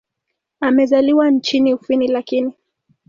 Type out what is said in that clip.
Amezaliwa nchini Ufini lakini.